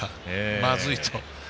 まずいと。